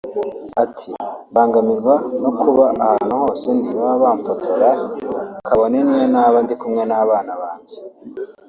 Ati “Mbangamirwa no kuba ahantu hose ndi baba bamfotore kabone niyo naba ndi kumwe n’abana banjye